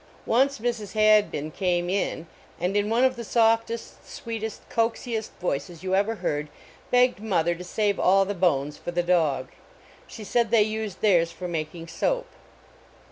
Once Mrs. Hadbin came in, and in one of the softest, sweetest, coaxiest voices you ever heard, begged mother to save all the bones for the dog. She said they used their> for making >oap.